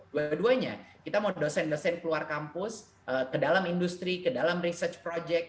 dua duanya kita mau dosen dosen keluar kampus ke dalam industri ke dalam research project